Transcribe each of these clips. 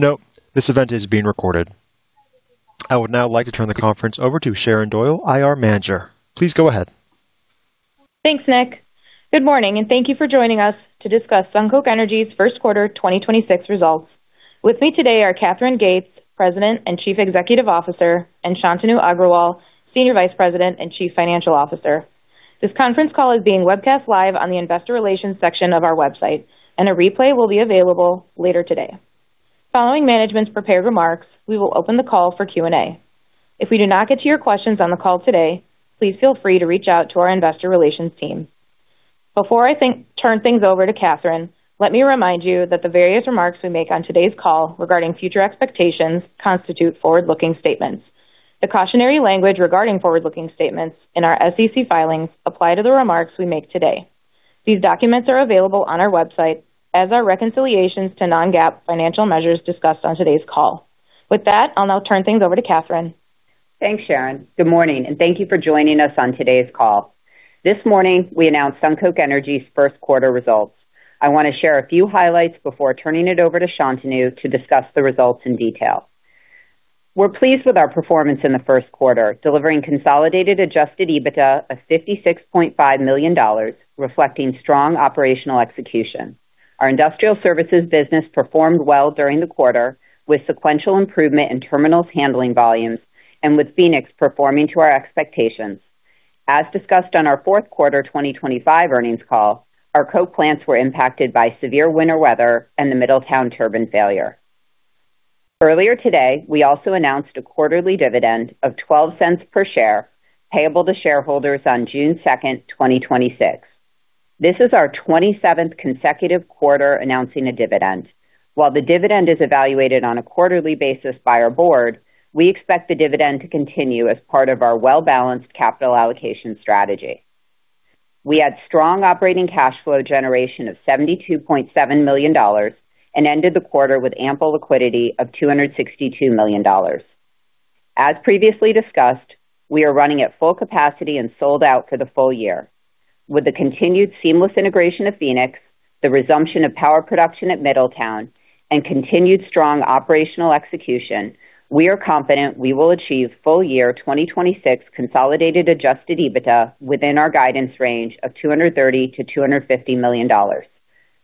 Please note this event is being recorded. I would now like to turn the conference over to Sharon Doyle, IR Manager. Please go ahead. Thanks, Nick. Good morning, and thank you for joining us to discuss SunCoke Energy's first quarter 2026 results. With me today are Katherine Gates, President and Chief Executive Officer, and Shantanu Agrawal, Senior Vice President and Chief Financial Officer. This conference call is being webcast live on the investor relations section of our website, and a replay will be available later today. Following management's prepared remarks, we will open the call for Q&A. If we do not get to your questions on the call today, please feel free to reach out to our investor relations team. Before I turn things over to Katherine, let me remind you that the various remarks we make on today's call regarding future expectations constitute forward-looking statements. The cautionary language regarding forward-looking statements in our SEC filings apply to the remarks we make today. These documents are available on our website as are reconciliations to non-GAAP financial measures discussed on today's call. With that, I'll now turn things over to Katherine. Thanks, Sharon. Good morning, and thank you for joining us on today's call. This morning, we announced SunCoke Energy's first quarter results. I wanna share a few highlights before turning it over to Shantanu to discuss the results in detail. We're pleased with our performance in the first quarter, delivering consolidated Adjusted EBITDA of $56.5 million, reflecting strong operational execution. Our industrial services business performed well during the quarter with sequential improvement in terminals handling volumes and with Phoenix performing to our expectations. As discussed on our fourth quarter 2025 earnings call, our coke plants were impacted by severe winter weather and the Middletown turbine failure. Earlier today, we also announced a quarterly dividend of $0.12 per share payable to shareholders on June two, 2026. This is our 27th consecutive quarter announcing a dividend. While the dividend is evaluated on a quarterly basis by our board, we expect the dividend to continue as part of our well-balanced capital allocation strategy. We had strong operating cash flow generation of $72.7 million and ended the quarter with ample liquidity of $262 million. As previously discussed, we are running at full capacity and sold out for the full year. With the continued seamless integration of Phoenix, the resumption of power production at Middletown, and continued strong operational execution, we are confident we will achieve full year 2026 consolidated Adjusted EBITDA within our guidance range of $230 million-$250 million.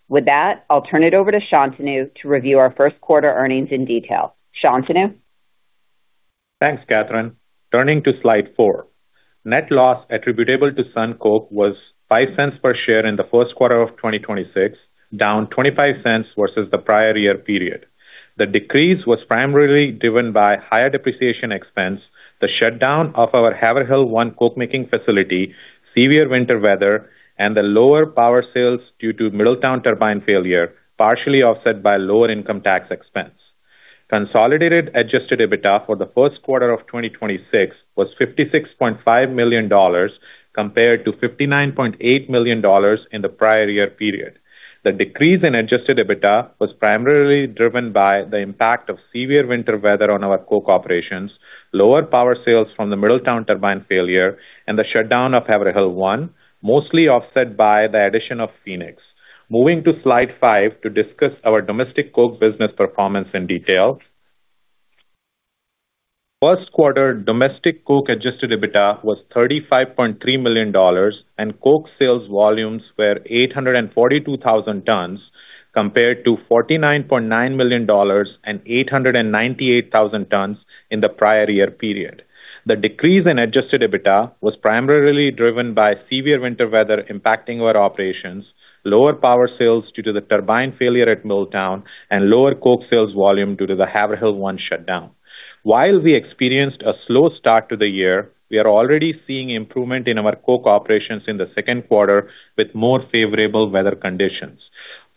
With that, I'll turn it over to Shantanu to review our first quarter earnings in detail. Shantanu? Thanks, Katherine. Turning to slide four. Net loss attributable to SunCoke was $0.05 per share in the first quarter of 2026, down $0.25 versus the prior year period. The decrease was primarily driven by higher depreciation expense, the shutdown of our Haverhill One coke-making facility, severe winter weather, and the lower power sales due to Middletown turbine failure, partially offset by lower income tax expense. Consolidated Adjusted EBITDA for the first quarter of 2026 was $56.5 million compared to $59.8 million in the prior year period. The decrease in Adjusted EBITDA was primarily driven by the impact of severe winter weather on our coke operations, lower power sales from the Middletown turbine failure, and the shutdown of Haverhill One, mostly offset by the addition of Phoenix. Moving to slide 5 to discuss our domestic coke business performance in detail. First quarter domestic coke Adjusted EBITDA was $35.3 million, and coke sales volumes were 842,000 tons compared to $49.9 million and 898,000 tons in the prior year period. The decrease in Adjusted EBITDA was primarily driven by severe winter weather impacting our operations, lower power sales due to the turbine failure at Middletown, and lower coke sales volume due to the Haverhill One shutdown. While we experienced a slow start to the year, we are already seeing improvement in our coke operations in the second quarter with more favorable weather conditions.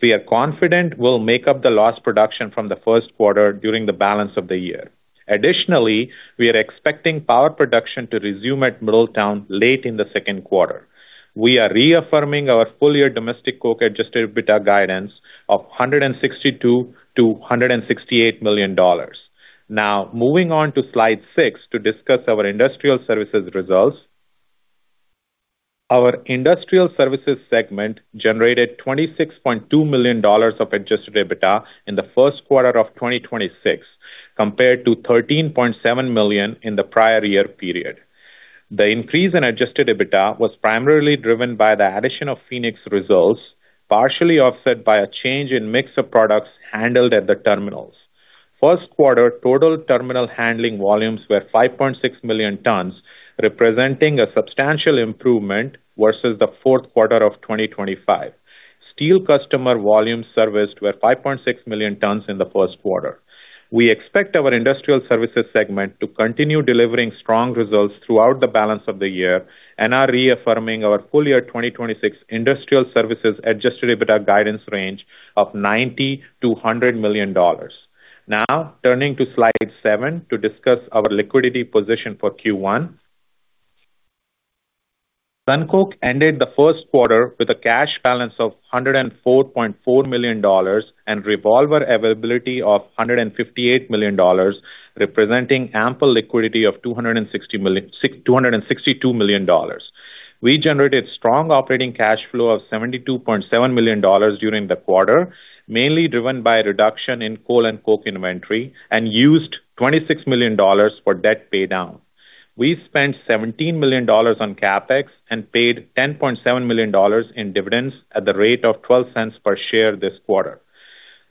We are confident we'll make up the lost production from the first quarter during the balance of the year. Additionally, we are expecting power production to resume at Middletown late in the second quarter. We are reaffirming our full-year domestic coke Adjusted EBITDA guidance of $162 million-$168 million. Moving on to slide six to discuss our industrial services results. Our industrial services segment generated $26.2 million of Adjusted EBITDA in the first quarter of 2026 compared to $13.7 million in the prior year period. The increase in Adjusted EBITDA was primarily driven by the addition of Phoenix results, partially offset by a change in mix of products handled at the terminals. First quarter total terminal handling volumes were 5.6 million tons, representing a substantial improvement versus the fourth quarter of 2025. Steel customer volumes serviced were 5.6 million tons in the first quarter. We expect our industrial services segment to continue delivering strong results throughout the balance of the year and are reaffirming our full year 2026 industrial services Adjusted EBITDA guidance range of $90 million-$100 million. Turning to slide seven to discuss our liquidity position for Q1. SunCoke ended the first quarter with a cash balance of $104.4 million and revolver availability of $158 million, representing ample liquidity of $262 million. We generated strong operating cash flow of $72.7 million during the quarter, mainly driven by a reduction in coal and coke inventory, and used $26 million for debt paydown. We spent $17 million on CapEx and paid $10.7 million in dividends at the rate of $0.12 per share this quarter.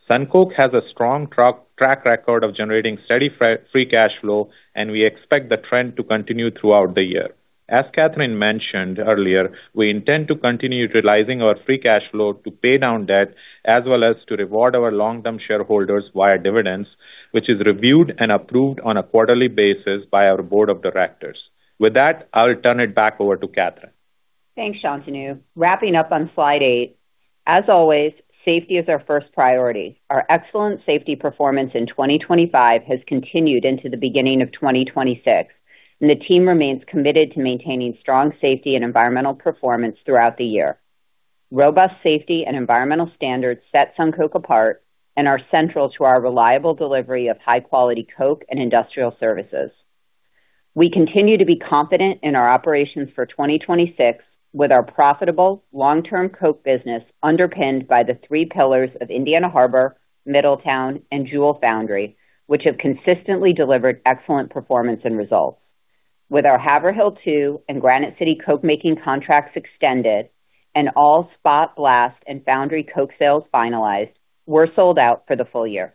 SunCoke has a strong track record of generating steady free cash flow. We expect the trend to continue throughout the year. As Katherine mentioned earlier, we intend to continue utilizing our free cash flow to pay down debt as well as to reward our long-term shareholders via dividends, which is reviewed and approved on a quarterly basis by our board of directors. With that, I'll turn it back over to Katherine. Thanks, Shantanu. Wrapping up on slide eight. As always, safety is our first priority. Our excellent safety performance in 2025 has continued into the beginning of 2026, and the team remains committed to maintaining strong safety and environmental performance throughout the year. Robust safety and environmental standards set SunCoke apart and are central to our reliable delivery of high-quality coke and industrial services. We continue to be confident in our operations for 2026 with our profitable long-term coke business underpinned by the three pillars of Indiana Harbor, Middletown, and Jewell Foundry, which have consistently delivered excellent performance and results. With our Haverhill two and Granite City cokemaking contracts extended and all spot blast and foundry coke sales finalized, we're sold out for the full year.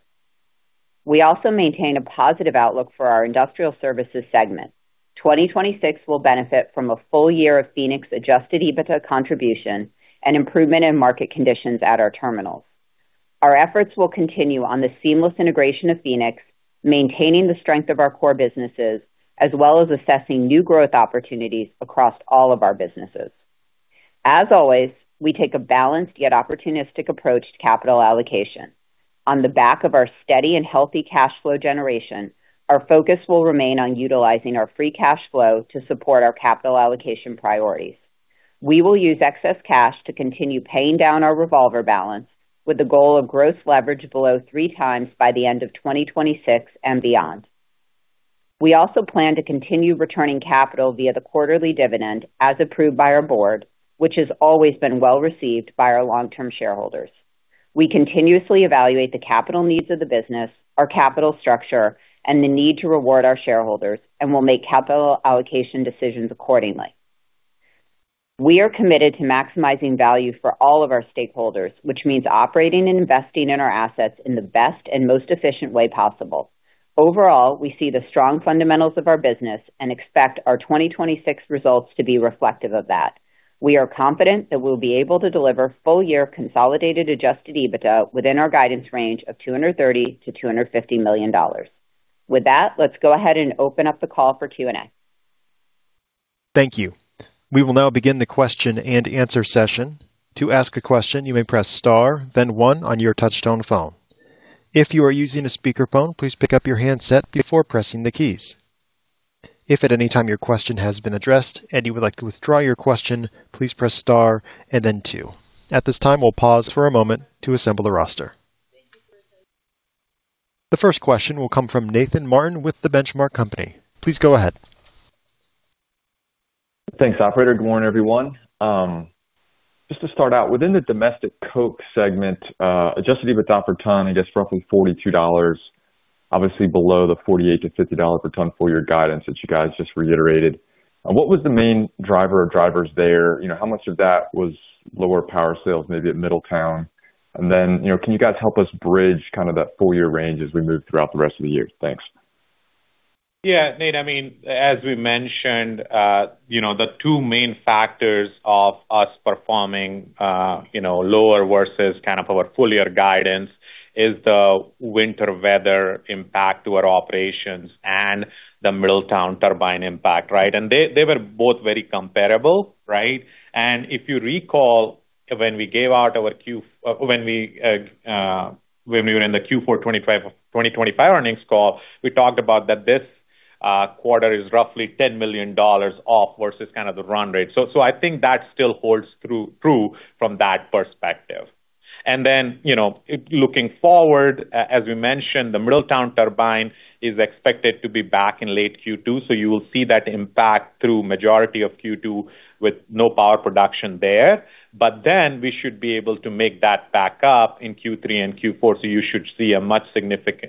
We also maintain a positive outlook for our industrial services segment, 2026 will benefit from a full year of Phoenix Adjusted EBITDA contribution and improvement in market conditions at our terminals. Our efforts will continue on the seamless integration of Phoenix, maintaining the strength of our core businesses, as well as assessing new growth opportunities across all of our businesses. As always, we take a balanced yet opportunistic approach to capital allocation. On the back of our steady and healthy cash flow generation, our focus will remain on utilizing our free cash flow to support our capital allocation priorities. We will use excess cash to continue paying down our revolver balance with the goal of gross leverage below three times by the end of 2026 and beyond. We also plan to continue returning capital via the quarterly dividend as approved by our board, which has always been well-received by our long-term shareholders. We continuously evaluate the capital needs of the business, our capital structure, and the need to reward our shareholders, will make capital allocation decisions accordingly. We are committed to maximizing value for all of our stakeholders, which means operating and investing in our assets in the best and most efficient way possible. Overall, we see the strong fundamentals of our business and expect our 2026 results to be reflective of that. We are confident that we'll be able to deliver full-year consolidated Adjusted EBITDA within our guidance range of $230 million-$250 million. With that, let's go ahead and open up the call for Q&A. Thank you. We will now begin the question-and-answer session. To ask a question, you may press star then 1 on your touchtone phone. If you are using a speakerphone, please pick up your handset before pressing the keys. If at any time your question has been addressed and you would like to withdraw your question, please press star and then two. At this time, we'll pause for a moment to assemble the roster. The first question will come from Nathan Martin with The Benchmark Company. Please go ahead. Thanks, operator. Good morning, everyone. Just to start out, within the domestic coke segment, adjusted EBIT per ton, I guess roughly $42, obviously below the $48-$50 per ton full year guidance that you guys just reiterated. What was the main driver or drivers there? You know, how much of that was lower power sales, maybe at Middletown? You know, can you guys help us bridge kind of that full year range as we move throughout the rest of the year? Thanks. Yeah. Nate, I mean, as we mentioned, you know, the two main factors of us performing, you know, lower versus kind of our full year guidance is the winter weather impact to our operations and the Middletown turbine impact, right? They were both very comparable, right? If you recall, when we were in the Q4 2025 earnings call, we talked about that this quarter is roughly $10 million off versus kind of the run rate. I think that still holds through from that perspective. You know, looking forward, as we mentioned, the Middletown turbine is expected to be back in late Q2, you will see that impact through majority of Q2 with no power production there. We should be able to make that back up in Q3 and Q4. You should see a much, you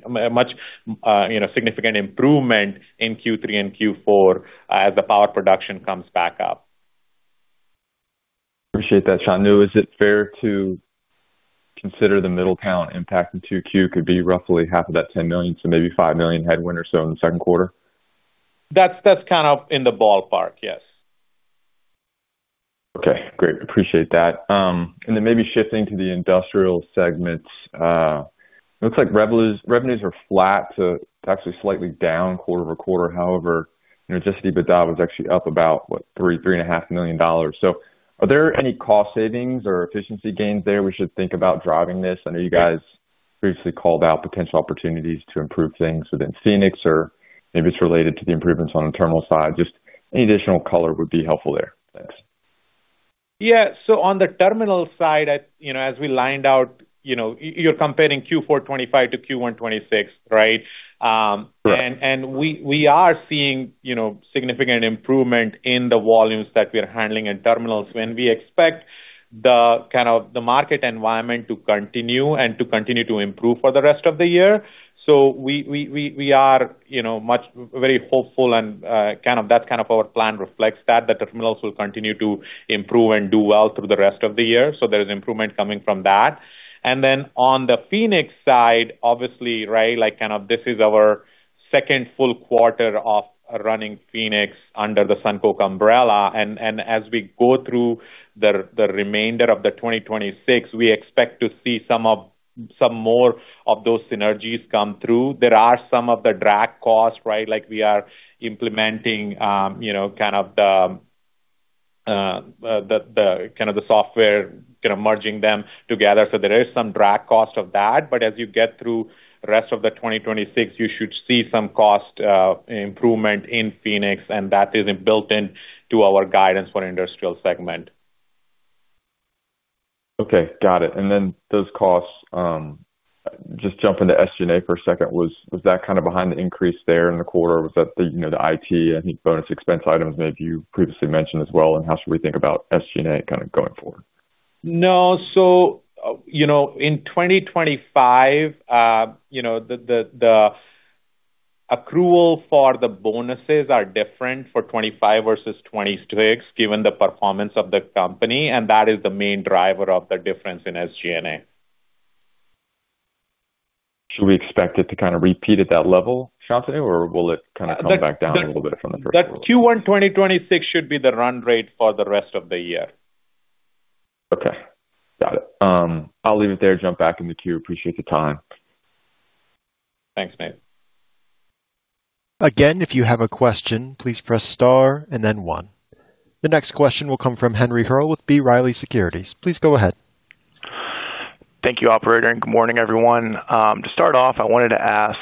know, significant improvement in Q3 and Q4 as the power production comes back up. Appreciate that, Shantanu. Is it fair to consider the Middletown impact in 2Q could be roughly half of that $10 million, so maybe $5 million headwind or so in the second quarter? That's kind of in the ballpark, yes. Okay, great. Appreciate that. Maybe shifting to the industrial segments. Looks like revenues are flat to actually slightly down quarter-over-quarter. However, Adjusted EBITDA was actually up about $3.5 million. Are there any cost savings or efficiency gains there we should think about driving this? I know you guys previously called out potential opportunities to improve things within Phoenix or maybe it's related to the improvements on the terminal side. Just any additional color would be helpful there. Thanks. Yeah. On the terminal side, you know, as we lined out, you know, you're comparing Q4 2025 to Q1 2026, right? Right. We are seeing, you know, significant improvement in the volumes that we are handling in terminals when we expect the market environment to continue and to continue to improve for the rest of the year. We are, you know, very hopeful and our plan reflects that, the terminals will continue to improve and do well through the rest of the year. There is improvement coming from that. On the Phoenix side, obviously, right, like this is our second full quarter of running Phoenix under the SunCoke umbrella. As we go through the remainder of 2026, we expect to see some more of those synergies come through. There are some of the drag costs, right? Like we are implementing, you know, kind of the software, kinda merging them together. There is some drag cost of that. As you get through rest of the 2026, you should see some cost, improvement in Phoenix, and that is built in to our guidance for industrial segment. Okay. Got it. Then those costs, just jumping to SG&A for a second, was that kind of behind the increase there in the quarter? Was that the, you know, the IT and the bonus expense items maybe you previously mentioned as well, and how should we think about SG&A kind of going forward? No. You know, in 2025, you know, the, the accrual for the bonuses are different for '25 versus 2026 given the performance of the company, and that is the main driver of the difference in SG&A. Should we expect it to kind of repeat at that level, Shantanu, or will it kind of come back down a little bit from the first quarter? The Q1 2026 should be the run rate for the rest of the year. Okay. Got it. I'll leave it there. Jump back in the queue. Appreciate the time. Thanks, Nate. The next question will come from Henry Herr with B. Riley Securities. Please go ahead. Thank you, operator, good morning, everyone. To start off, I wanted to ask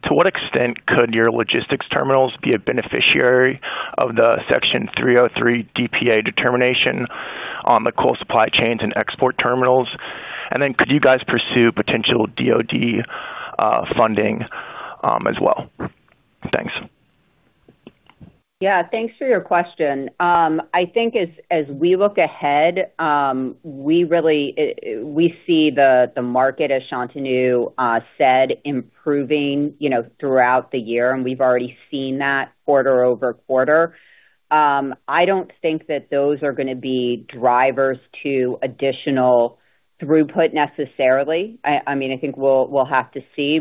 to what extent could your logistics terminals be a beneficiary of the Section 303 DPA determination on the coal supply chains and export terminals? Could you guys pursue potential DoD funding as well? Thanks. Yeah. Thanks for your question. I think as we look ahead, we really, we see the market, as Shantanu said, improving, you know, throughout the year, and we've already seen that quarter-over-quarter. I don't think that those are gonna be drivers to additional throughput necessarily. I mean, I think we'll have to see.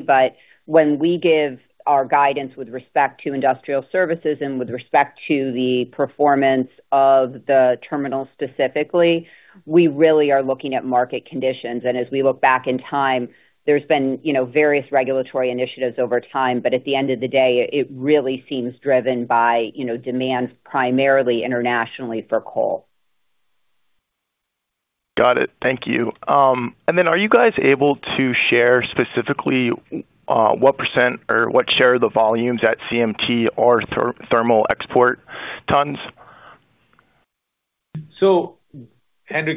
When we give our guidance with respect to industrial services and with respect to the performance of the terminal specifically, we really are looking at market conditions. As we look back in time, there's been, you know, various regulatory initiatives over time. At the end of the day, it really seems driven by, you know, demand primarily internationally for coal. Got it. Thank you. Then are you guys able to share specifically what % or what share of the volumes at CMT are thermal export tons?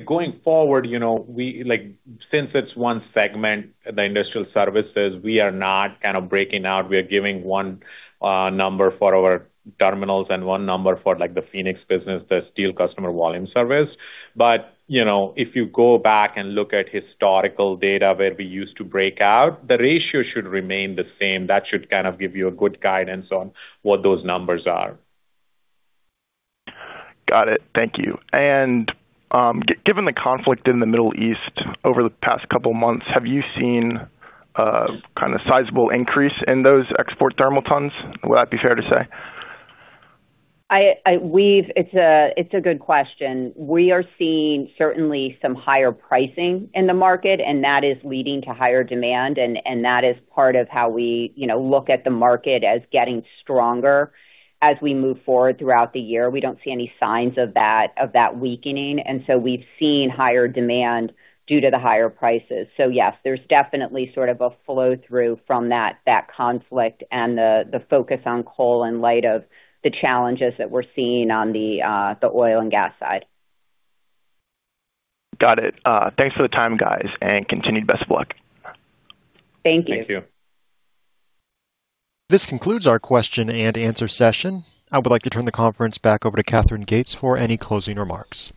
Going forward, you know, we like since it's one segment, the industrial services, we are not kind of breaking out. We are giving one number for our terminals and one number for like the Phoenix business, the steel customer volumes serviced. You know, if you go back and look at historical data where we used to break out, the ratio should remain the same. That should kind of give you a good guidance on what those numbers are. Got it. Thank you. Given the conflict in the Middle East over the past couple months, have you seen a kinda sizable increase in those export thermal tons? Would that be fair to say? It's a good question. We are seeing certainly some higher pricing in the market. That is leading to higher demand and that is part of how we, you know, look at the market as getting stronger as we move forward throughout the year. We don't see any signs of that weakening. We've seen higher demand due to the higher prices. Yes, there's definitely sort of a flow-through from that conflict and the focus on coal in light of the challenges that we're seeing on the oil and gas side. Got it. Thanks for the time, guys, and continued best of luck. Thank you. Thank you. This concludes our question-and-answer session. I would like to turn the conference back over to Katherine Gates for any closing remarks.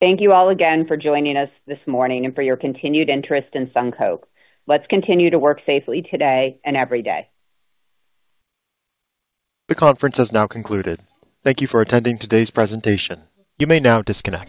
Thank you all again for joining us this morning and for your continued interest in SunCoke. Let's continue to work safely today and every day. The conference has now concluded. Thank you for attending today's presentation. You may now disconnect.